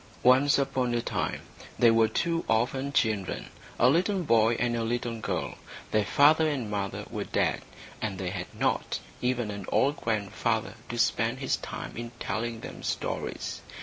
Once upon a time there were two orphan children, a little boy and a little girl. Their father and mother were dead, and they had not even an old grandfather to spend his time in telling them stories.